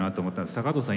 高藤さん？